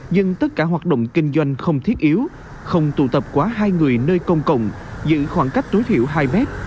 nhưng tất cả hoạt động kinh doanh không thiết yếu không tụ tập quá hai người nơi công cộng giữ khoảng cách tối thiểu hai mét